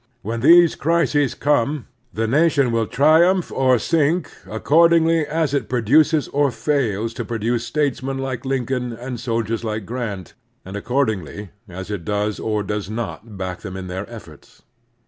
When these crises come, the nation will triumph or sink accordingly as it produces or fails to produce statesmen like Lincoln and soldiers like Grant, and accordingly as it does or does not back them in their efforts.